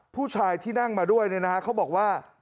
ผู้ชายที่นั่งมาด้วยเนี่ยนะฮะเขาบอกว่า